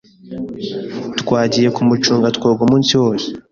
Twagiye ku mucanga twoga umunsi wose.